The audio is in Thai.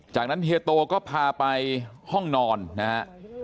จากนั้นเฮียโตก็พาไปห้องนอนนะฮะ